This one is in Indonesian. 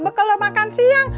bekel lo makan siang